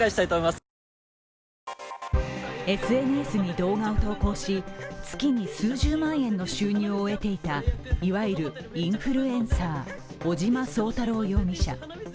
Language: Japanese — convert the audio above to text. ＳＮＳに動画を投稿し、月に数十万円の収入を得ていたいわゆるインフルエンサー、尾島壮太郎容疑者。